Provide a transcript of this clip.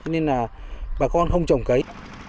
nên là bà con không trồng cấy